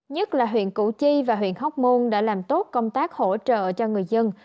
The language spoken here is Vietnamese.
nhất là huyện củ chi và huyện hóc môn đã làm tốt công tác hỗ trợ cho người dân